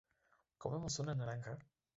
comemos una naranja